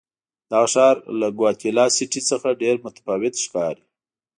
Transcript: دغه ښار له ګواتیلا سیټي څخه ډېر متفاوت ښکاري.